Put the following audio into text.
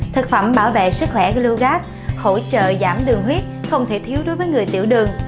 thực phẩm bảo vệ sức khỏe glugat hỗ trợ giảm đường huyết không thể thiếu đối với người tiểu đường